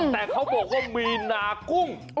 แต่เขาบอกว่ามีนากุ้ง